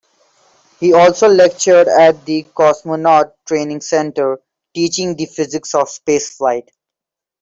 He also lectured at the Cosmonaut Training Centre, teaching the physics of spaceflight.